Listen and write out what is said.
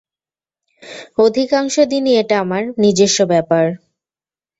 অধিকাংশ দিনই এটা আমার নিজস্ব ব্যাপার।